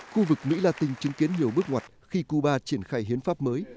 khu vực mỹ latin chứng kiến nhiều bước ngoặt khi cuba triển khai hiến pháp mới